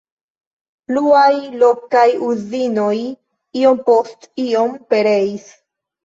Pluaj lokaj uzinoj iom post iom pereis.